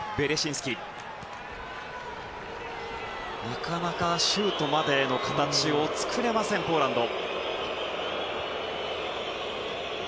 なかなかシュートまでの形を作れません、ポーランド。